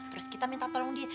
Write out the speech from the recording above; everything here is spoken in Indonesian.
terus kita minta tolong di